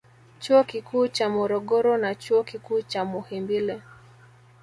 Chuo Kikuu cha Morogoro na Chuo Kikuu cha Muhimbili